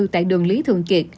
tại đường lý thường kiệt